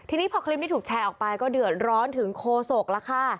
ทีนี้พอคลิปนี้ถูกแชร์ออกไปก็เดือดร้อนถึงโคศกแล้วค่ะ